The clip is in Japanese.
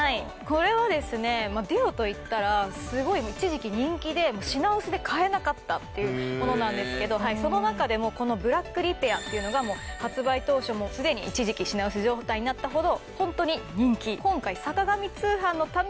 これはですねＤＵＯといったらすごい一時期人気で品薄で買えなかったっていうものなんですけどその中でもこのブラックリペアっていうのが発売当初すでに一時期品薄状態になったほどホントに人気。